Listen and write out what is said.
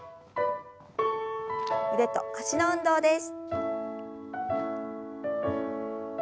腕と脚の運動です。